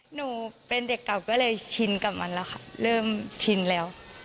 หนูเป็นเด็กเก่าก็เลยชินกับมันแล้วค่ะเริ่มชินแล้ว